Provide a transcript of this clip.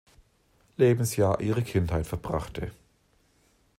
Lebensjahr ihre Kindheit verbrachte.